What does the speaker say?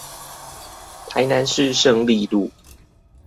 台南市勝利路